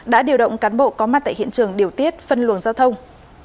đã điều động cán bộ có mặt tại hiện trường điều tiết phân luồng giao thông